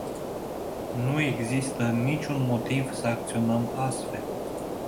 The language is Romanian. Nu există niciun motiv să acționăm astfel.